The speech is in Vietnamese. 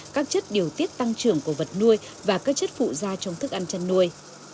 các chất điều tiết tăng trưởng của vật nuôi và các chất phụ da trong thức ăn chăn nuôi